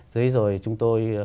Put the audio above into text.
thế rồi chúng tôi